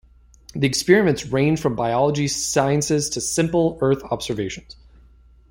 The experiments ranged from biology sciences to simple earth observations.